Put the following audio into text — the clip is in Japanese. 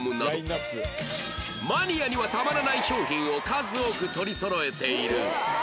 マニアにはたまらない商品を数多く取りそろえている